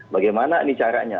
bagaimana nih caranya